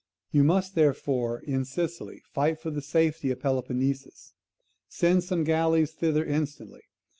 You must, therefore, in Sicily fight for the safety of Peloponnesus. Send some galleys thither instantly.